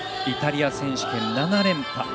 イタリア選手権７連覇。